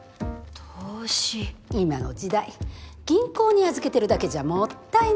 今の時代銀行に預けてるだけじゃもったいない。